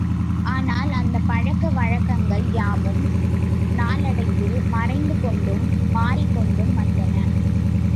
ஆனால், இந்தப் பழக்க வழக்கங்கள் யாவும், நாளடைவில் மறைந்துகொண்டும் மாறிக் கொண்டும் வந்தன.